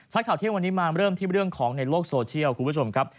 ข่าวเที่ยงวันนี้มาเริ่มที่เรื่องของในโลกโซเชียลคุณผู้ชมครับ